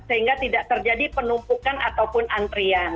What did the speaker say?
sehingga tidak terjadi penumpukan ataupun antrian